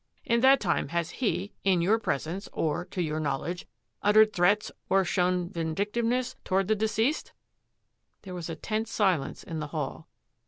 In that time has he, in your presence, or to your knowledge, uttered threats or shown vindictiveness toward the de ceased? " There was a tense silence in the hall.